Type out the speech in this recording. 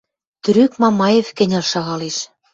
Трӱк Мамаев кӹньӹл шагалеш.